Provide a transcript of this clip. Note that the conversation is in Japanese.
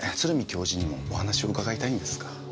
教授にもお話を伺いたいんですが。